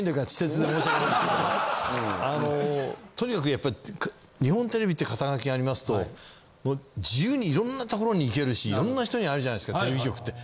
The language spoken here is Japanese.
あのとにかくやっぱり日本テレビっていう肩書がありますと自由に色んなところに行けるし色んな人に会えるじゃないですかテレビ局って。